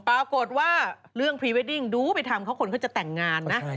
ปรากฏว่าเรื่องพรีเวดดิ้งดูไปทำเขาคนเขาจะแต่งงานนะ